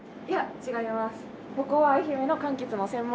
いや違います。